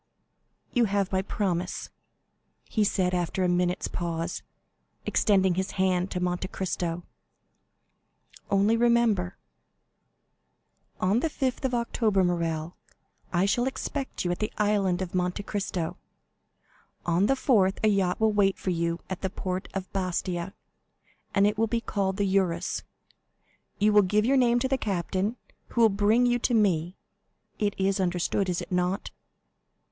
"You have my promise," he said, after a minute's pause, extending his hand to Monte Cristo. "Only remember——" "On the 5th of October, Morrel, I shall expect you at the Island of Monte Cristo. On the 4th a yacht will wait for you in the port of Bastia, it will be called the Eurus. You will give your name to the captain, who will bring you to me. It is understood—is it not?"